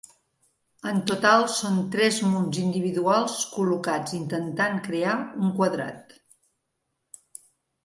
En total són tres munts individuals col·locats intentant crear un quadrat.